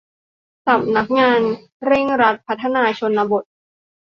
สำนักงานเร่งรัดพัฒนาชนบท